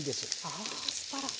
あアスパラ。